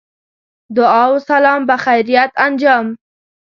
دعا و سلام بخیریت انجام.